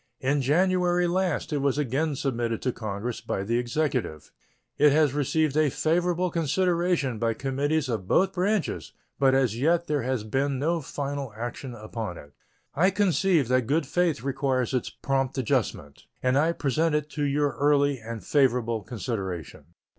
In January last it was again submitted to Congress by the Executive. It has received a favorable consideration by committees of both branches, but as yet there has been no final action upon it. I conceive that good faith requires its prompt adjustment, and I present it to your early and favorable consideration.